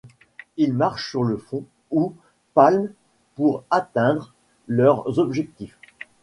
Ils marchent sur le fond ou palment pour atteindre leurs objectifs.